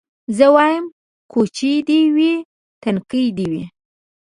زه وايم کوچۍ دي وي نتکۍ دي وي